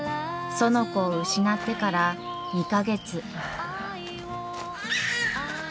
園子を失ってから２か月。